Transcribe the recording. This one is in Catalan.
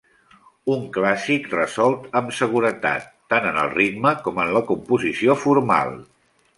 Un clàssic resolt amb seguretat, tant en el ritme com en la composició formal.